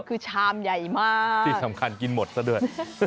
คือชามใหญ่มากที่สำคัญกินหมดซะด้วย